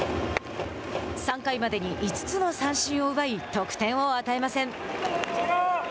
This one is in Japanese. ３回までに５つの三振を奪い得点を与えません。